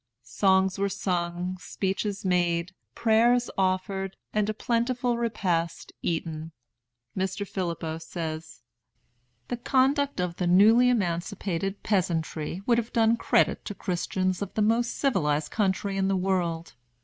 Songs were sung, speeches made, prayers offered, and a plentiful repast eaten." Mr. Phillippo says: "The conduct of the newly emancipated peasantry would have done credit to Christians of the most civilized country in the world.